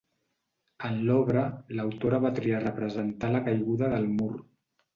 En l'obra, l'autora va triar representar la caiguda del mur.